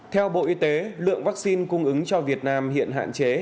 theo bộ y tế lượng vaccine cung ứng cho việt nam hiện hạn chế